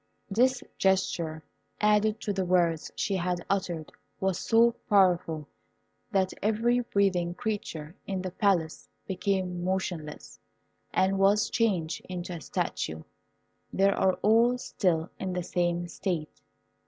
This gesture, added to the words she had uttered, was so powerful, that every breathing creature in the Palace became motionless, and was changed into a statue. They are all still in the same state.